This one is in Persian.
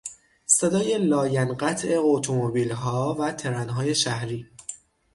صدای لاینقطع اتومبیلها و ترنهای شهری